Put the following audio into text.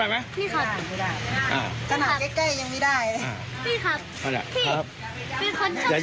ไม่ล็อก